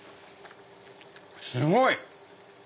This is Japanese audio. すごい！